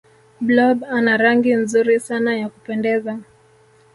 blob ana rangi nzuri sana ya kupendeza